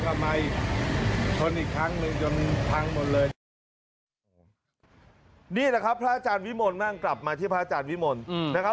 นี่แหละครับพระอาจารย์วิมลมั่งกลับมาที่พระอาจารย์วิมลนะครับ